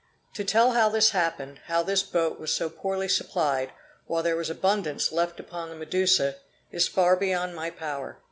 To tell how this happened, how this boat was so poorly supplied, while there was abundance left upon the Medusa, is far beyond my power.